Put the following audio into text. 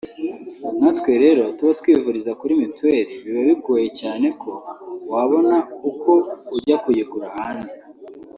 nkatwe rero tuba twivuriza kuri Mutuel biba bigoye cyane ko wabona uko ujya kuyigura hanze